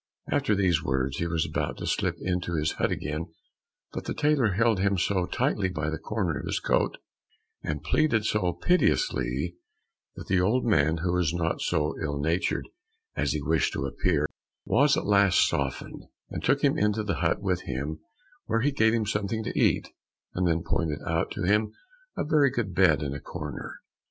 After these words he was about to slip into his hut again, but the tailor held him so tightly by the corner of his coat, and pleaded so piteously, that the old man, who was not so ill natured as he wished to appear, was at last softened, and took him into the hut with him where he gave him something to eat, and then pointed out to him a very good bed in a corner.